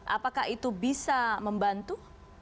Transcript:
apakah itu bisa membantu